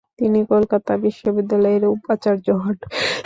তিনি কলকাতা বিশ্ববিদ্যালয় এর উপাচার্য হন।